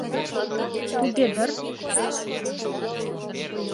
Туге дыр.